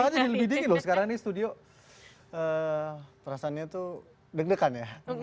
tak ada yang lebih dingin loh sekarang ini studio perasaannya tuh deg degan ya